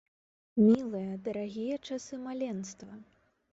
Мілыя, дарагія часы маленства!